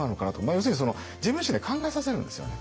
要するに自分の意思で考えさせるんですよね。